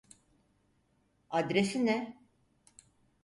Adresi ne?